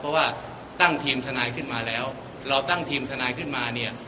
เพราะว่าตั้งทีมทนายขึ้นมาแล้วเราตั้งทีมทนายขึ้นมาเนี่ย